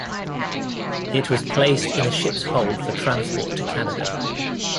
It was placed in a ship's hold for transport to Canada.